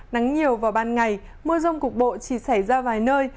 nắng nhiều vào ban ngày mưa rông cục bộ chỉ xảy ra vài nơi